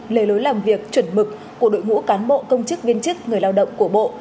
lề lối làm việc chuẩn mực của đội ngũ cán bộ công chức viên chức người lao động của bộ